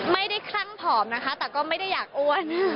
คลั่งผอมนะคะแต่ก็ไม่ได้อยากอ้วน